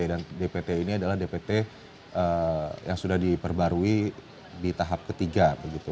dan dpt ini adalah dpt yang sudah diperbarui di tahap ketiga